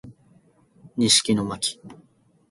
西木野真姫